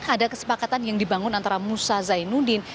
ada kesepakatan yang dibangun antara musa zainuddin